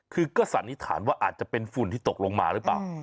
คือก็สันนิษฐานว่าอาจจะเป็นฝุ่นที่ตกลงมาหรือเปล่า